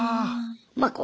ああ。